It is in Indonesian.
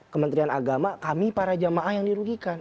kementerian agama kami para jamaah yang dirugikan